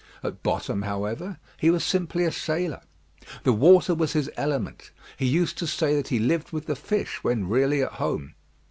At bottom, however, he was simply a sailor. The water was his element; he used to say that he lived with the fish when really at home.